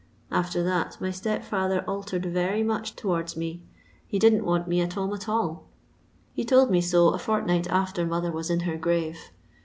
After that my step father altered very much towards me. He didn't want me at home at alL He told me so a fortnight after mother was in her grave.